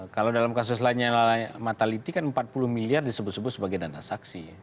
kalau dalam kasus lanyala mataliti kan empat puluh miliar disebut sebut sebagai dana saksi